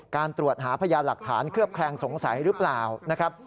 การตรวจหาพยานหลักฐานเคลือบแคลงสงสัยหรือเปล่านะครับ